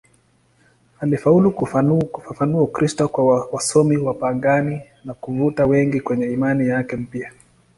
Alifaulu kufafanua Ukristo kwa wasomi wapagani na kuvuta wengi kwenye imani yake mpya.